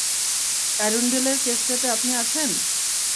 অ্যারুনডেলের কেসটাতে আপনি আছেন?